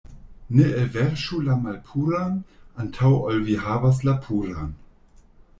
Ne elverŝu la malpuran, antaŭ ol vi havas la puran.